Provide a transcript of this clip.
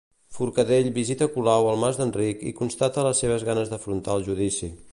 Forcadell visita Colau al Mas d'Enric i constata les seves ganes d'afrontar el judici.